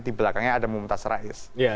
di belakangnya ada mumtaz rais